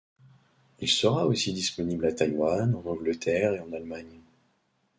Il sera aussi disponible à Taïwan, en Angleterre et en Allemagne.